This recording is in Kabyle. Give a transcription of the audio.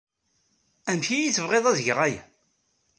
Amek ay iyi-tebɣid ad geɣ aya?